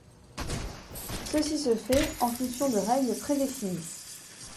Ceci se fait en fonction de règles prédéfinies.